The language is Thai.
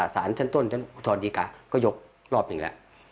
สารชั้นต้นชั้นอุทธรณดีกาก็ยกรอบหนึ่งแล้ว